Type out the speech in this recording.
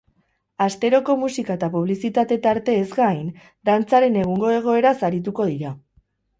Asteroko musika eta publizitate tarteez gain, dantzaren egungo egoeraz arituko dira.